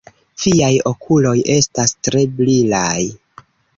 Viaj okuloj estas tre brilaj!